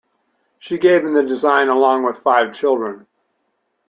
She gave him the design, along with five children.